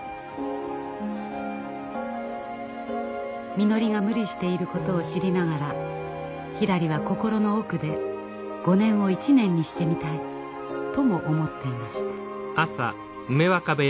みのりが無理していることを知りながらひらりは心の奥で５年を１年にしてみたいとも思っていました。